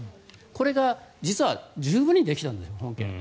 これが十分にできたんですよ、本件は。